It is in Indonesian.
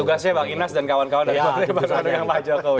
tugasnya bang inas dan kawan kawan dari pak jokowi